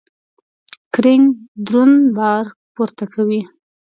کرینګ درون بار پورته کوي.